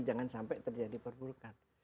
jangan sampai terjadi perburukan